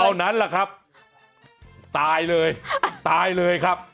เท่านั้นแหละครับตายเลยตายเลยครับ